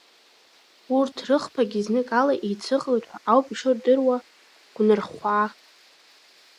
Урҭ рыхԥагьы зныкала еицыҟалеит ҳәа ауп ишырдыруа гәнырхәаа…